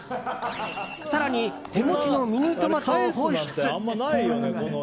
更に、手持ちのミニトマトを放出。